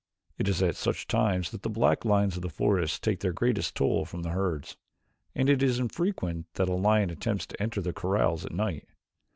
It is at such times that the black lions of the forest take their greatest toll from the herds, and it is infrequent that a lion attempts to enter the corrals at night.